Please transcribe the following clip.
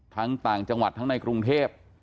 ต่างจังหวัดทั้งในกรุงเทพ